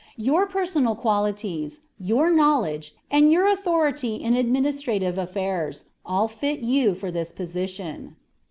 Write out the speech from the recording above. Your personal qualities, your knowledge, and your authority in administrative affairs, all fit you for this position."